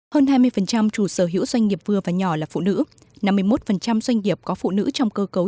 hơn hai mươi chủ sở hữu doanh nghiệp vừa và nhỏ là phụ nữ năm mươi một doanh nghiệp có phụ nữ trong cơ cấu